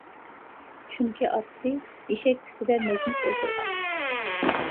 چۈنكى ئاتىسى ئېشەك ئۈستىدە مەزمۇت ئولتۇرغان.